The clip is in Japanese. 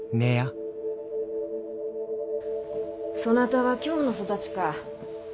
そなたは京の育ちか。